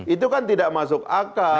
itu kan tidak masuk akal